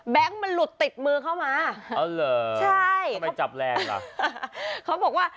มันหลุดติดมือเข้ามาอ๋อเหรอใช่ทำไมจับแรงล่ะเขาบอกว่า